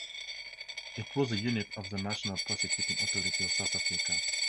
It was a unit of The National Prosecuting Authority of South Africa.